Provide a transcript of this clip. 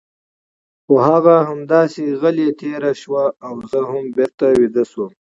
خو هغه همداسې غلی تېر شو او زه هم بېرته ویده شوم.